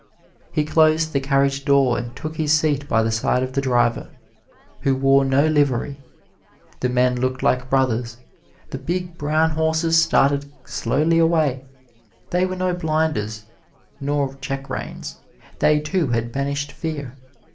He closed the carriage door and took his seat by the side of the driver, who wore no livery. The men looked like brothers. The big, brown horses started slowly away; they wore no blinders nor check reins they, too, had banished fear.